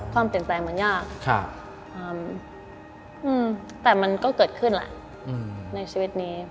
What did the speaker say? ความเปลี่ยนแปลงมันยากแต่มันก็เกิดขึ้นแหละในชีวิตนี้